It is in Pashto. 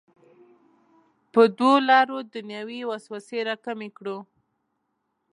په دوو لارو دنیوي وسوسې راکمې کړو.